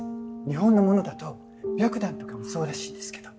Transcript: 日本のものだとビャクダンとかもそうらしいんですけど。